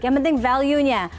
yang penting value nya